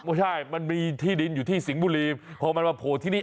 มันมีที่ดินอยู่ที่สิงห์บุรีพอมันมาโผล่ที่นี่